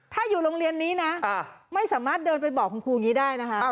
ถ้าอยู่โรงเรียนนี้นะไม่สามารถเดินไปบอกคุณครูอย่างนี้ได้นะคะ